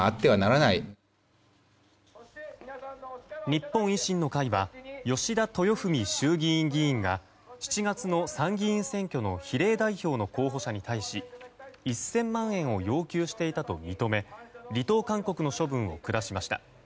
日本維新の会は吉田豊史衆議院議員が７月の参議院選挙の比例代表の候補者に対し１０００万円を要求していたと認め離党勧告の処分を下しました。